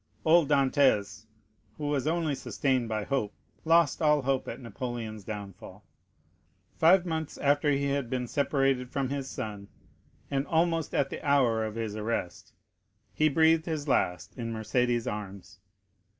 Old Dantès, who was only sustained by hope, lost all hope at Napoleon's downfall. Five months after he had been separated from his son, and almost at the hour of his arrest, he breathed his last in Mercédès' arms.